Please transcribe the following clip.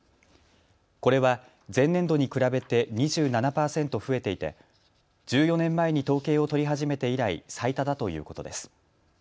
これは前年度に比べて２７％増えていて１４年前に統計を取り始めて以来、最多だということです。